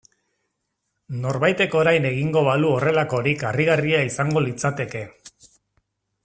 Norbaitek orain egingo balu horrelakorik harrigarria izango litzateke.